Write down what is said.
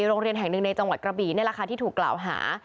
โรงเรียนแห่งหนึ่งในจังหวัดกระบีนี่แหละค่ะที่ถูกกล่าวหา